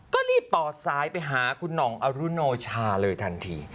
ก็รีบต่อซ้ายไปหาคุณห่องอรุโนชาเลยทันที